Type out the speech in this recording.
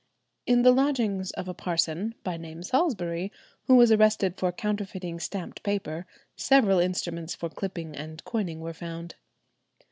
In the lodgings of a parson, by name Salisbury, who was arrested for counterfeiting stamped paper, several instruments for clipping and coining were found.